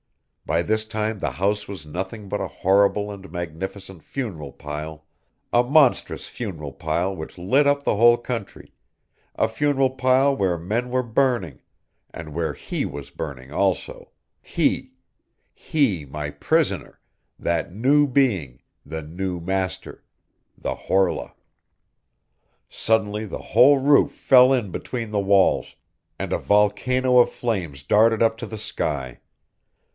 By this time the house was nothing but a horrible and magnificent funeral pile, a monstrous funeral pile which lit up the whole country, a funeral pile where men were burning, and where he was burning also, He, He, my prisoner, that new Being, the new master, the Horla! Suddenly the whole roof fell in between the walls, and a volcano of flames darted up to the sky.